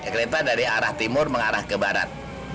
kereta dari arah timur mengarah ke barat